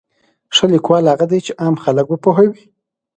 ښه لیکوال هغه دی چې عام خلک وپوهوي.